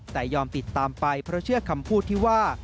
แต่ยอมติดตามไปเพราะเชื่อคำพูดที่ว่า